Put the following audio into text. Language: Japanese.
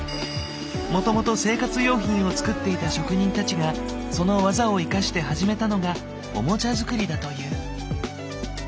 もともと生活用品を作っていた職人たちがその技を生かして始めたのがオモチャ作りだという。